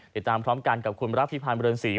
ติดตามพร้อมกันกับคุณรับพิพันธ์เรือนศรี